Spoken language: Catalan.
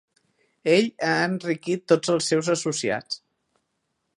Ell ha enriquit tots els seus associats.